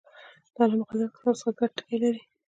• دا له مقدس کتاب سره ګډ ټکي لري.